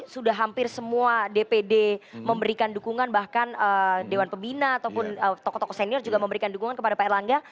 sudah hampir semua dpd memberikan dukungan bahkan dewan pembina ataupun tokoh tokoh senior juga memberikan dukungan kepada pak erlangga